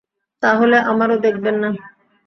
তা হলে আমারও দেখবেন না।